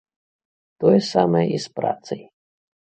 Тое самае і з працай.